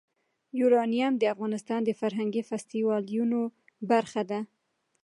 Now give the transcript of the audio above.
یورانیم د افغانستان د فرهنګي فستیوالونو برخه ده.